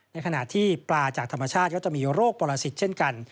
ในขณะที่ปลาจากธรรมชาติก็จะมีโรคปรสิทธิ์เช่นกัน